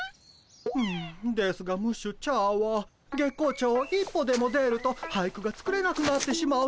うんですがムッシュチャーは月光町を一歩でも出ると俳句が作れなくなってしまうのです。